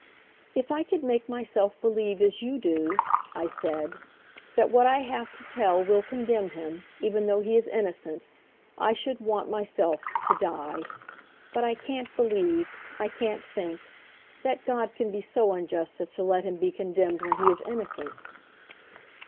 "If I could make myself believe as you do," I said, "that what I have to tell will condemn him, even though he is innocent, I should want, myself, to die. But I can't believe, I can't think, that God can be so unjust as to let him be condemned when he is innocent!"